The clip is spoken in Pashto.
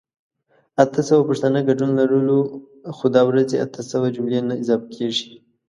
اته سوه پښتانه ګډون لرو خو دا ورځې اته سوه جملي نه اضافه کيږي